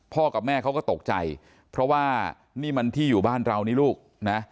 กับแม่เขาก็ตกใจเพราะว่านี่มันที่อยู่บ้านเรานี่ลูกนะ